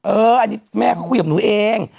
อันนี้แม่เขาคุยกับหนูเอง